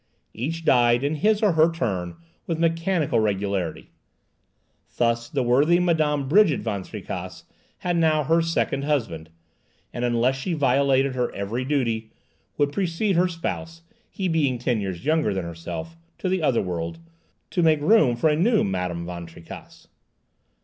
Each died in his or her turn with mechanical regularity. Thus the worthy Madame Brigitte Van Tricasse had now her second husband; and, unless she violated her every duty, would precede her spouse—he being ten years younger than herself—to the other world, to make room for a new Madame Van Tricasse.